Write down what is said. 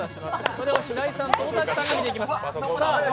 それを平井んと尾崎さんが見ていきます。